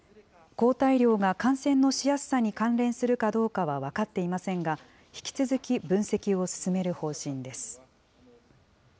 抗体量が感染のしやすさに関連するかどうかは分かっていませんが、引き続き、分析を進める方針です。